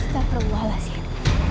tak perlu alasin